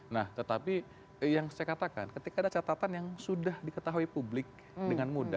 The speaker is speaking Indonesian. nah tetapi yang saya katakan ketika ada catatan yang sudah diketahui publik dengan mudah